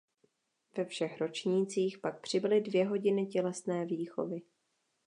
Ve všech ročnících pak přibyly dvě hodiny tělesné výchovy.